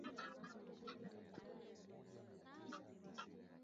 wa utegemezi dawa za kulevya Uwezekano wa